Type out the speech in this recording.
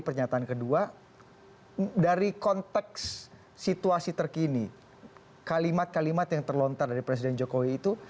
pernyataan kedua dari konteks situasi terkini kalimat kalimat yang terlontar dari presiden jokowi itu